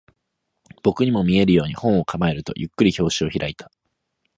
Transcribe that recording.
僕にも見えるように、本を構えると、ゆっくり表紙を開いた